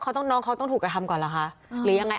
เขาต้องน้องเขาต้องถูกกระทำก่อนเหรอคะหรือยังไง